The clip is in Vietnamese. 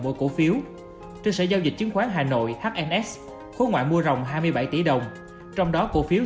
mỗi cổ phiếu trên sở giao dịch chứng khoán hnx khối ngoại mua rồng hai mươi bảy tỷ đồng trong đó cổ phiếu